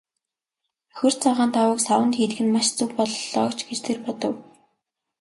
Бохир цагаан даавууг саванд хийдэг нь маш зөв боллоо ч гэж тэр бодов.